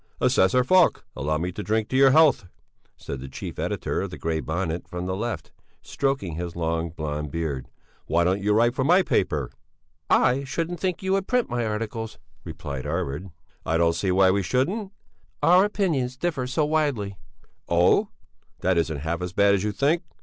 "Assessor Falk, allow me to drink your health," said the chief editor of the Grey Bonnet, from the left, stroking his long, blond beard. "Why don't you write for my paper?" "I shouldn't think you would print my articles," replied Arvid. "I don't see why we shouldn't." "Our opinions differ so very widely...." "Oh! That isn't half as bad as you think.